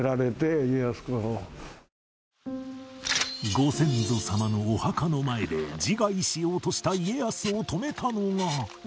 ご先祖様のお墓の前で自害しようとした家康を止めたのが